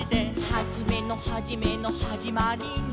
「はじめのはじめのはじまりの」